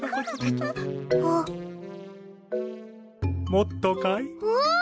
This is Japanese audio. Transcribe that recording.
もっとかい？